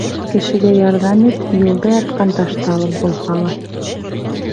Кешегә ярҙам ит, юлда ятҡан ташты алып булһа ла.